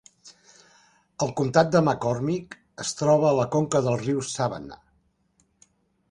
El comtat de McCormick es troba a la conca del riu Savannah.